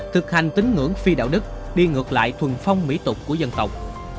thực hành tín ngưỡng phi đạo đức đi ngược lại thuần phong mỹ tục của dân tộc